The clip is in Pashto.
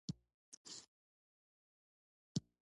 شېرګل بوډۍ ته د ځوانۍ يادونه وکړه.